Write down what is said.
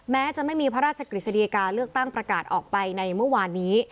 แม้จะไม่มีพระราชกฤษฎีกาเลือกตั้งประกาศออกไปในเมื่อวานนี้